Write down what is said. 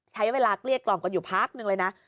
ใช้เวลาเรียกกลองกันอยู่พักนึงเลยนะ